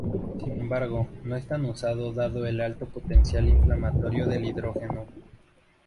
Sin embargo no es tan usado dado el alto potencial inflamatorio del hidrógeno.